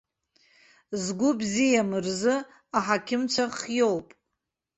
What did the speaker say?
Згәы бзиам рзы аҳақьымцәа хиоуп.